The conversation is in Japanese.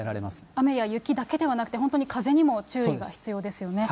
雨や雪だけではなくて、本当に風にも注意が必要ですよね。